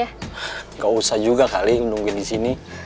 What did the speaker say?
enggak usah juga kali nungguin di sini